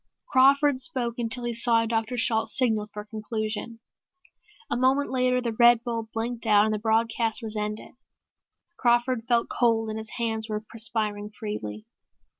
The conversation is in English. Crawford spoke until he saw Dr. Shalt signal for a conclusion. A moment later the red bulb blinked out and the broadcast was ended. Crawford felt cold and his hands were perspiring freely.